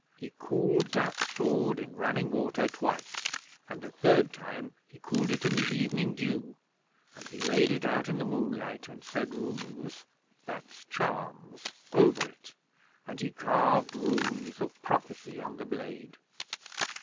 He cooled that sword in running water twice, and the third time he cooled it in the evening dew, and he laid it out in the moonlight and said Runes (that's charms) over it, and he carved Runes of Prophecy on the blade.